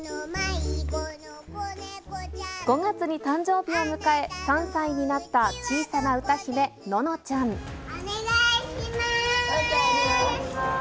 ５月に誕生日を迎え、３歳になった小さな歌姫、ののちゃん。お願いします。